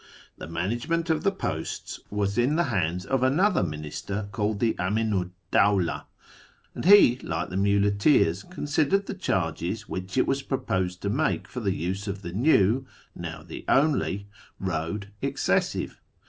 The management of the posts w^as in the hands of another minister called the Aminu 'd Dawla, and he, like the muleteers, considered the charges which it was proposed to make for the use of the new (now the only) road excessive.